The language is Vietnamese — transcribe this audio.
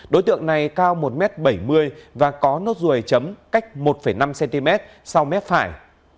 đối tượng này cao một m bảy mươi và có nốt ruồi chấm cách một năm cm sau mép phải